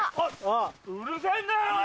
うるさいんだよ！おい！